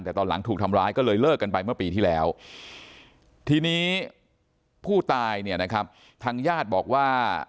แต่ตอนหลังถูกทำร้ายก็เลยเลิกกันไปเมื่อปีที่แล้วทีนี้ผู้ตายเนี่ยนะครับทางญาติบอกว่า